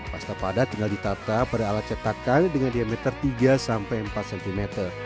pasta padat tinggal ditata pada alat cetakan dengan diameter tiga sampai empat cm